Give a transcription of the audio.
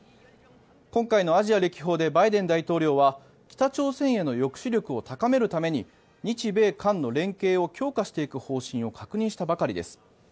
今回のアジア歴訪でバイデン大統領は北朝鮮への抑止力を高めるために日米韓の連携を強化していく方針を確認したばかりです。